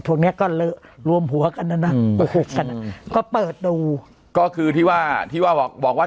พวกเนี้ยก็รวมหัวกันน่ะน่ะอืมก็เปิดดูก็คือที่ว่าที่ว่าบอกว่า